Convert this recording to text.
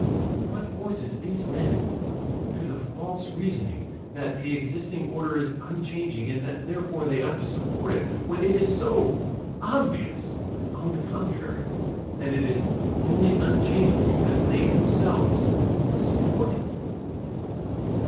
What forces these men to the false reasoning that the existing order is unchanging, and that therefore they ought to support it, when it is so obvious, on the contrary, that it is only unchanging because they themselves support it?